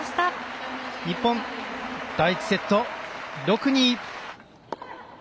日本、第１セット６対２。